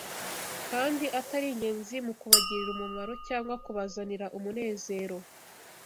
kandi atari ingenzi mu kubagirira umumaro cyangwa kubazanira umunezero